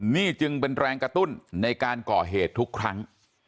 นี่จึงเป็นแรงกระตุ้นในการก่อเหตุทุกครั้ง